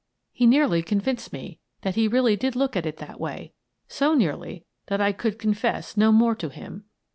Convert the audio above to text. He nearly convinced me that he really did look at it in that way; so nearly that I could confess no more to him.